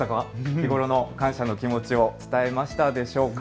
日頃の感謝の気持ちを伝えましたでしょうか。